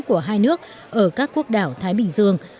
của hai nước ở các quốc đảo thái bình dương